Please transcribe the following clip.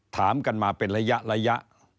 ถามกันมาเป็นระยะ